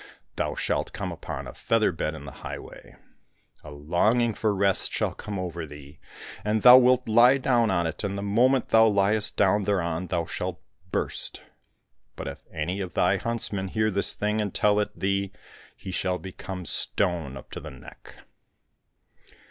Thou shalt come upon a feather bed in the highway ; a longing for rest shall come over thee, and thou wilt lie down on it, and the moment thou Rest down thereon thou shalt burst. But if any of thy huntsmen hear this thing and tell it thee, he shall become stone up to the neck